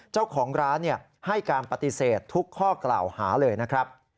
เจ้าของร้านให้การปฏิเสธทุกข้อกล่าวหาเลยนะครับ